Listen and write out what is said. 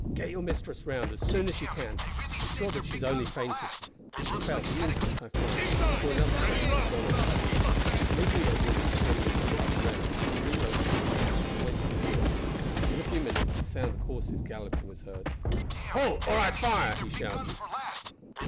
Get your mistress round as soon as you can. I am sure that she has only fainted, for she fell the instant I fired, before another pistol had gone off." Leaving the old woman to bring Miss Kingston round, he reloaded his pistols and went to the door. In a few minutes the sound of horses galloping was heard. "Halt, or I fire!" he shouted.